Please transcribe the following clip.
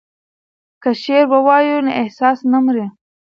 که شعر ووایو نو احساس نه مري.